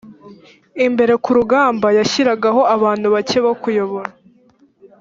imbere ku rugamba yashyiragaho abantu bake bo kuyobora